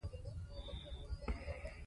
ادب د انسان ښایست دی.